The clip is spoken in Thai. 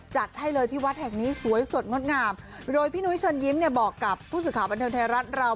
จัดให้เลยที่วัดแห่งนี้สวยสดงดงามโดยพี่นุ้ยเชิญยิ้มเนี่ยบอกกับผู้สื่อข่าวบันเทิงไทยรัฐเรา